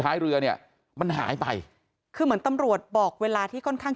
ท้ายเรือเนี่ยมันหายไปคือเหมือนตำรวจบอกเวลาที่ค่อนข้าง